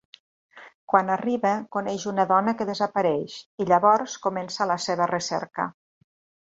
Quan arriba coneix una dona que desapareix i llavors comença la seva recerca.